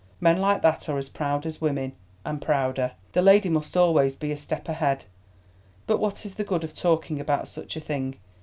Men like that are as proud as women, and prouder; the lady must always be a step ahead. But what is the good of talking about such a thing?